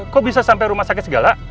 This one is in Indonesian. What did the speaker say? kok bisa sampai rumah sakit segala